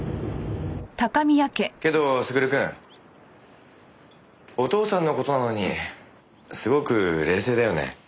けど優くん。お父さんの事なのにすごく冷静だよね。